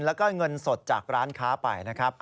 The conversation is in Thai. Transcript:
แล้วก็เงินสดจากร้านค้าไปนะครับ